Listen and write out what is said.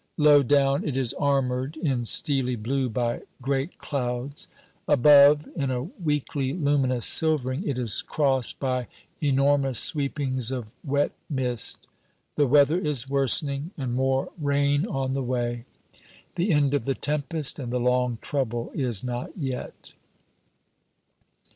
Low down it is armored in steely blue by great clouds. Above, in a weakly luminous silvering, it is crossed by enormous sweepings of wet mist. The weather is worsening, and more rain on the way. The end of the tempest and the long trouble is not yet.